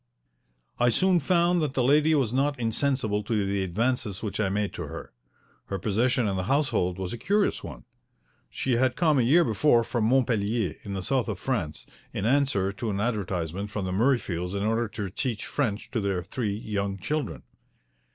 I soon found that the lady was not insensible to the advances which I made to her. Her position in the household was a curious one. She had come a year before from Montpellier, in the South of France, in answer to an advertisement from the Murreyfields in order to teach French to their three young children.